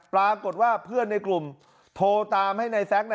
ปรากฏว่าเพื่อนในกลุ่มโทรตามให้นายแซ็ก